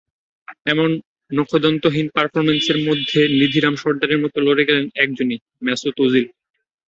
এমন নখদন্তহীন পারফরম্যান্সের মধ্যে নিধিরাম সর্দারের মতো লড়ে গেলেন একজনই—মেসুত ওজিল।